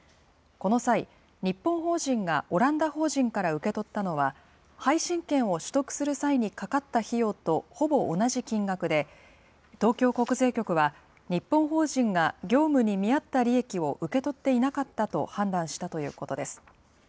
この際、日本法人がオランダ法人から受け取ったのは、配信権を取得する際にかかった費用とほぼ同じ金額で、東京国税局は、日本法人が、業務に見合った利益を受け取っていなかったと判断したということです。